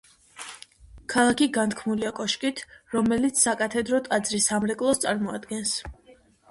ქალაქი განთქმულია კოშკით, რომელიც საკათედრო ტაძრის სამრეკლოს წარმოადგენს.